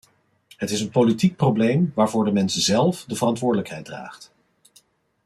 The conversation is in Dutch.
Het is een politiek probleem waarvoor de mens zelf de verantwoordelijkheid draagt.